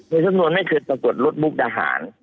สำนวนไม่เคยปรากฏรถมุกดาหาร